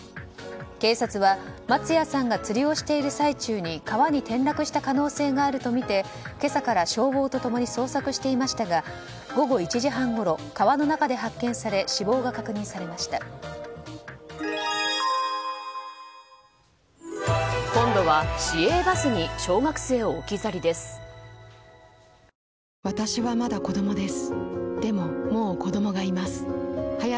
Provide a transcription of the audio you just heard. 警察は松谷さんが釣りをしている最中に川に転落した可能性があるとみて今朝から消防とともに捜索していましたが午後１時半ごろ川の中で発見され時刻は午後４時５７分です。